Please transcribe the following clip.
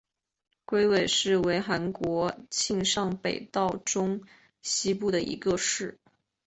龟尾市为韩国庆尚北道中西部的一个市。